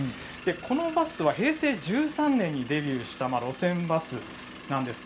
このバスは平成１３年にデビューした路線バスです。